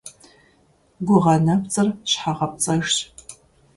Гугъэ нэпцӀыр щхьэгъэпцӀэжщ.